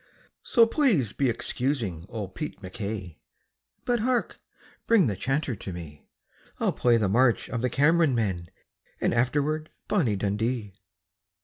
"So please be excusing old Pete MacKay But hark! bring the chanter to me, I'll play the 'March o' the Cameron Men,' And afterward 'Bonnie Dundee.'"